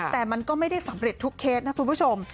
แต่มันก็ไม่ได้สำเร็จทุกเคสนะคุณผู้ชม